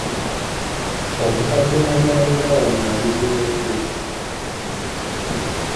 Omukadde eyali abeera wano yali muyonjo nnyo.